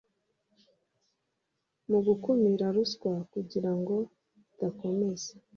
mu gukumira ruswa kugira ngo idakomeza